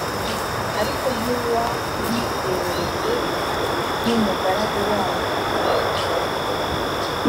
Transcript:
ariko ntiwayibereye nk umugaragu wayo dawidi